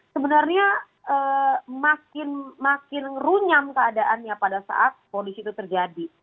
sebenarnya makin makin ngerunyam keadaannya pada saat polisi itu terjadi